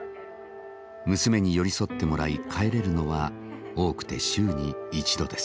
娘に寄り添ってもらい帰れるのは多くて週に一度です。